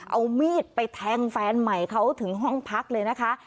เอามีดไปแทงแฟนใหม่เขาถึงห้องพักเลยนะคะ